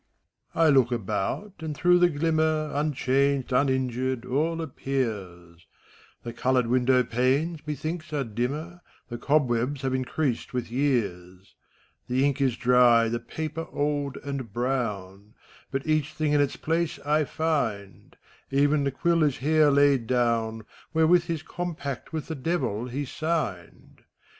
67 I look abonty and through the glimmer Unchanged, uninjured, all appears: The colored window panes, methinks, are dimmer, The cobwebs have increased with years. The ink is dry, the paper old and brown, But each thing in its place I find: Even the quill is here laid down. Wherewith his compact with the Devil he sigpied.